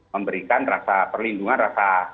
memberikan rasa perlindungan rasa